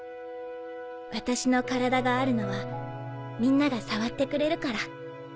私の体があるのはみんなが触ってくれるから。